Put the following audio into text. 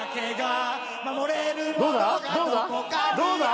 ・どうだ！？